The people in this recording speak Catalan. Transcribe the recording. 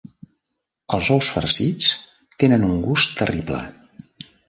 Els ous farcits tenen un gust terrible.